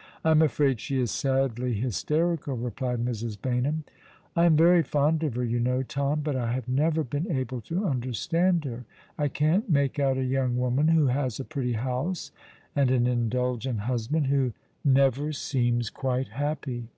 " I'm afraid she is sadly hysterical," replied Mrs. Baynham. "I am very fond of her, you know, Tom; but I have never been able to understand her» I can't make out a young woman who has a pretty house and an indulgent husband, and who never seems quite happy."